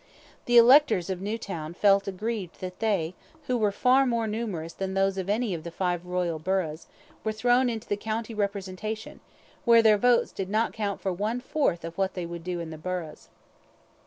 The electors of Newtown felt aggrieved that they, who were far more numerous than those of any of the five royal burghs, were thrown into the county representation, where their votes did not count for one fourth of what they would do in the burghs.